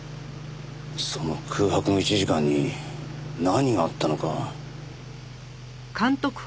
その空白の１時間に何があったのか。